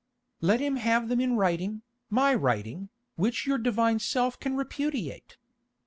"Let him have them in writing, my writing, which your divine self can repudiate.